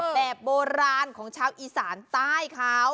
แบบโบราณของชาวอีสานใต้เขา